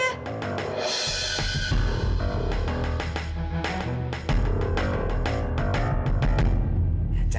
bukan main bawa pulang aja